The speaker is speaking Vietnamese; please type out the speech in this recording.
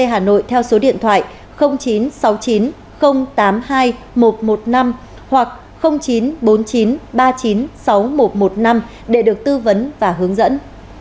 hà nội theo số điện thoại chín sáu chín không tám hai một một năm hoặc chín bốn chín ba chín sáu một một năm để được tư vấn và hướng dẫn